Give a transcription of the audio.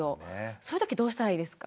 そういう時どうしたらいいですか？